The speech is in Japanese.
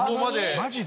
マジで？